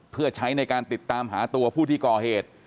เพื่อใช้ในการติดตามหาตัวผู้ที่ก่อเหตุ